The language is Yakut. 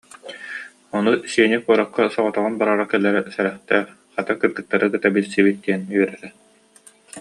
Ону Сеня куоракка соҕотоҕун барара-кэлэрэ сэрэхтээх, хата, кыргыттары кытта билсибит диэн үөрэрэ